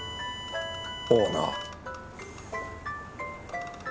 オーナー。